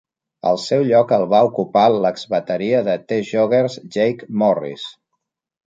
El seu lloc el va ocupar l'exbateria de The Joggers Jake Morris.